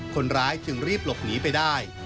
คนร้ายจึงรีบหลบหนีไปได้